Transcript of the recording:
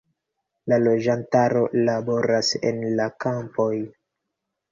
La loĝantaro laboras en la kampoj.